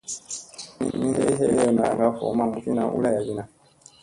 Mingi helewna kaŋga voo maŋ mbutliina u layagiina.